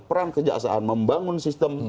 peran kejaksaan membangun sistem